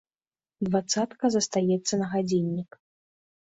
Дваццатка застаецца на гадзіннік.